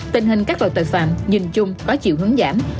tình hình các loại tội phạm nhìn chung có chiều hướng giảm